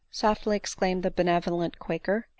softly exclaimed the benevolent quaker.